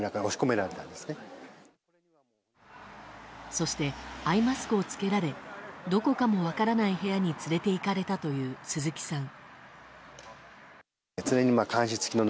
そしてアイマスクを着けられどこかも分からない部屋に連れていかれたという鈴木さん。